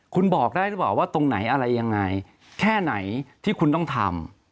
คุณบอกได้หรือเปล่าว่าตรงไหนอะไรยังไงแค่ไหนที่คุณต้องทำ